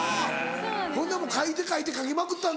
ほんでもう書いて書いて書きまくったんだ。